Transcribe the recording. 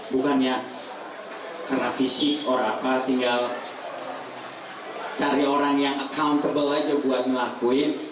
bukannya karena fisik orang apa tinggal cari orang yang accountable aja buat ngelakuin